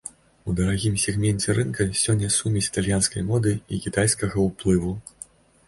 У дарагім сегменце рынка сёння сумесь італьянскай моды і кітайскага ўплыву.